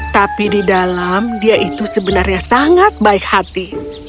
tapi di dalam dia itu sebenarnya sangat baik hati